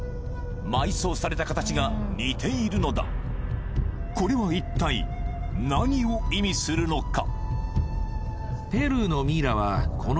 埋葬された形が似ているのだこれは一体何を意味するのか？